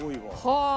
はあ。